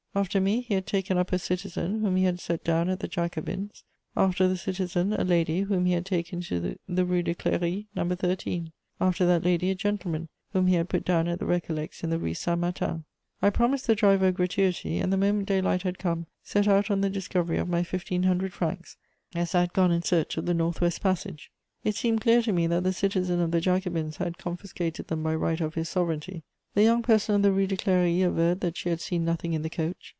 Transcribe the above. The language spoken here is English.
After me, he had taken up a citizen, whom he had set down at the Jacobins; after the citizen, a lady, whom he had taken to the Rue de Cléry, number 13; after that lady, a gentleman, whom he had put down at the Recollects in the Rue Saint Martin. I promised the driver a gratuity, and, the moment daylight had come, set out on the discovery of my fifteen hundred francs, as I had gone in search of the North West Passage. It seemed clear to me that the citizen of the Jacobins had confiscated them by right of his sovereignty. The young person of the Rue de Cléry averred that she had seen nothing in the coach.